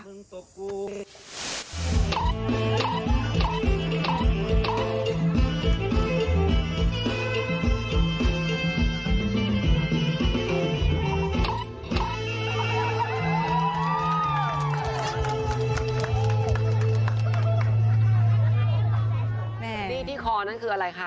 นี่ที่คอนั่นคืออะไรคะ